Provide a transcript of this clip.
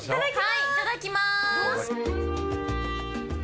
はいいただきます。